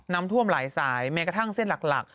ท่วมหลายสายแม้กระทั่งเส้นหลัก